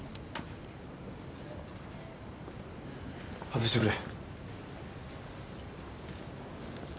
外してくれ。